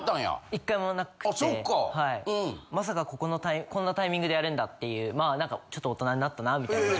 まさかこんなタイミングでやるんだっていうまあなんかちょっと大人になったなみたいな。